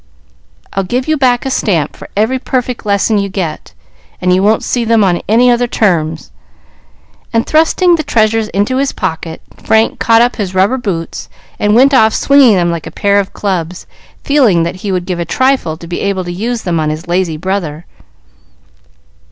"I'll give you back a stamp for every perfect lesson you get, and you won't see them on any other terms;" and, thrusting the treasures into his pocket, Frank caught up his rubber boots, and went off swinging them like a pair of clubs, feeling that he would give a trifle to be able to use them on his lazy brother.